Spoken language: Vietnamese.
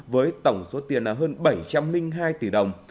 với tổng số tiền là hơn bảy trăm linh hai tỷ đồng